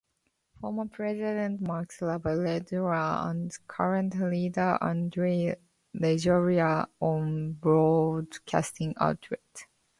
Former president, Marc Ravalomanana, and current leader Andry Rajoelina own broadcasting outlets.